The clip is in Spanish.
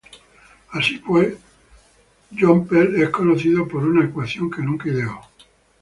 Así pues, John Pell es conocido por una ecuación que nunca ideó.